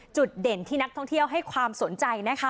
จุดเด่นที่นักท่องเที่ยวให้ความสนใจนะคะ